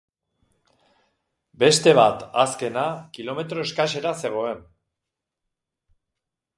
Beste bat, azkena, kilometro eskasera zegoen.